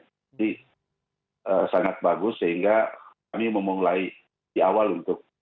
jadi sangat bagus sehingga kami memulai di awal untuk